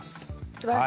すばらしい。